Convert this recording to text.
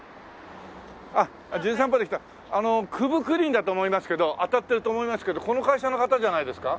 あっ『じゅん散歩』で来た九分九厘だと思いますけど当たってると思いますけどこの会社の方じゃないですか？